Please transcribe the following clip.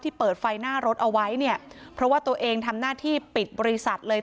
เปิดไฟหน้ารถเอาไว้เนี่ยเพราะว่าตัวเองทำหน้าที่ปิดบริษัทเลย